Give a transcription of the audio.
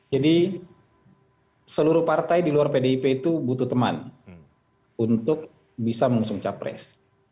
jadi seluruh partai di luar pdip itu butuh teman untuk bisa mengusung capres